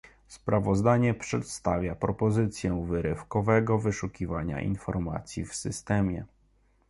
Sprawozdanie przedstawia propozycję wyrywkowego wyszukiwania informacji w systemie